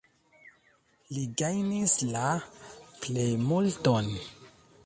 Li gajnis la plejmulton.